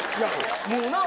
もうなぁ？